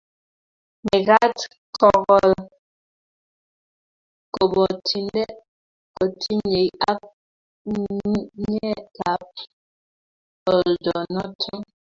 mekat ko kol kobotinde kotingei ak ng'ung'unyekab oldo noto